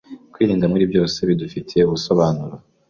Kwirinda muri byose bidufitiye ubusobanuro